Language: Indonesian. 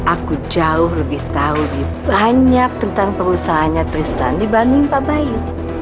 aku jauh lebih tahu lebih banyak tentang perusahaannya tristan dibanding pak bayu